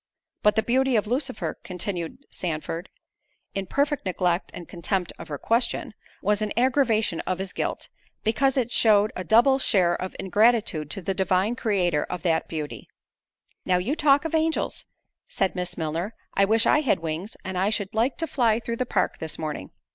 "But the beauty of Lucifer," (continued Sandford, in perfect neglect and contempt of her question,) "was an aggravation of his guilt; because it shewed a double share of ingratitude to the Divine Creator of that beauty." "Now you talk of angels," said Miss Milner, "I wish I had wings; and I should like to fly through the park this morning."